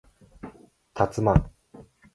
たつまん